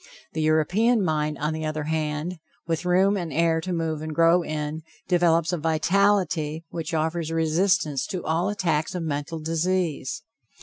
The European mind, on the other hand, with room and air to move and grow in, develops a vitality which offers resistance to all attacks of mental disease.